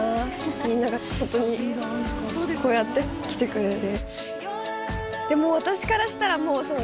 みんながホントにこうやって来てくれて。